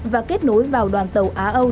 và kết nối vào đoàn tàu á âu